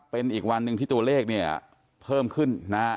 เป็นอีกวันหนึ่งที่ตัวเลขเนี่ยเพิ่มขึ้นนะฮะ